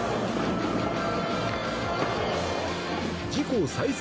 自己最速